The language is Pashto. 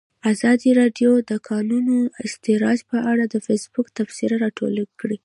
ازادي راډیو د د کانونو استخراج په اړه د فیسبوک تبصرې راټولې کړي.